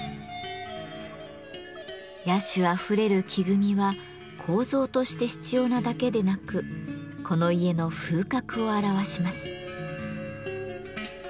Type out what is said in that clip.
野趣あふれる木組みは構造として必要なだけでなくこの家の風格を表します。